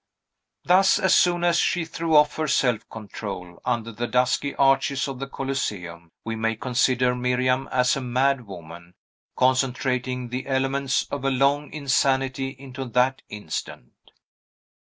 Thus, as soon as she threw off her self control, under the dusky arches of the Coliseum, we may consider Miriam as a mad woman, concentrating the elements of a long insanity into that instant.